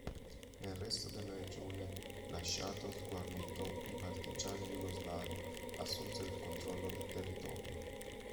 Nel resto della regione, lasciato sguarnito, i partigiani jugoslavi assunsero il controllo del territorio.